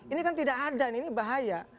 ini kan tidak ada ini bahaya